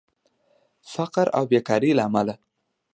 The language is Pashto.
فقر او بیکارې له امله